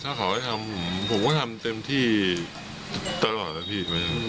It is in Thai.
ถ้าเขาให้ทำผมก็ทำเต็มที่ตลอดนะพี่